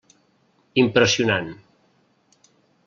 Impressionant.